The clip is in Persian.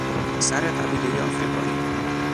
سر قبیلهی افریقایی